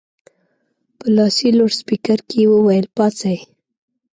په لاسي لوډسپیکر کې یې وویل پاڅئ.